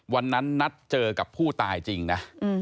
วันนั้นนัดเจอกับผู้ตายจริงนะ